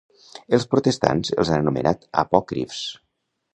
Els protestants els han anomenat apòcrifs.